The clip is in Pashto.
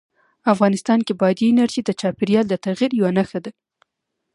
افغانستان کې بادي انرژي د چاپېریال د تغیر یوه نښه ده.